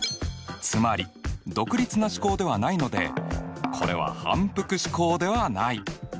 つまり独立な試行ではないのでこれは反復試行ではない。